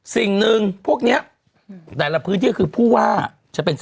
สิ่งหนึ่งพวกนี้แต่ละพื้นที่คือผู้ว่า